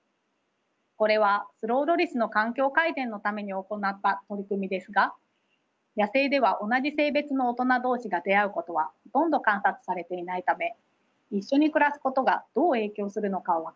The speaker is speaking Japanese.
これはスローロリスの環境改善のために行った取り組みですが野生では同じ性別の大人同士が出会うことはほとんど観察されていないため一緒に暮らすことがどう影響するのかは分かりませんでした。